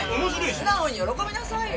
素直に喜びなさいよ！